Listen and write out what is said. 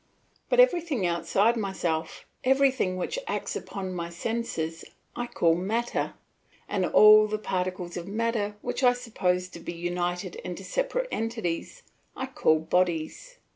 But everything outside myself, everything which acts upon my senses, I call matter, and all the particles of matter which I suppose to be united into separate entities I call bodies.